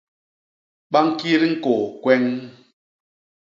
Ba ñkit ñkôô kweñ.